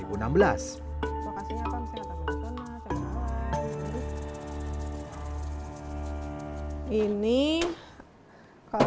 ini penyimpanan capung itu di museum ini